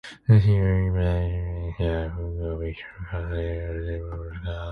Next year, in Paris, he met Victor Hugo, Victor Cousin, and Sir Walter Scott.